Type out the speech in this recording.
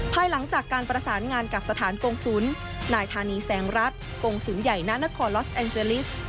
ภายหลังจากการประสานงานกับสถานกงศูนย์นายธานีแสงรัฐกงศูนย์ใหญ่ณนครลอสแองเจลิส